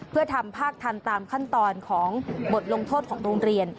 เพื่อทำภาคทันตามขั้นตอนของบทลงโทษของโรงเรียน